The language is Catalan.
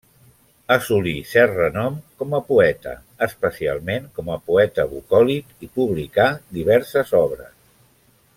Assolí cert renom com a poeta, especialment com a poeta bucòlic, i publicà diverses obres.